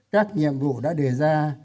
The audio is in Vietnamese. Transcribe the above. các nhiệm vụ đã đề ra